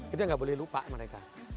kita nggak boleh lupa mereka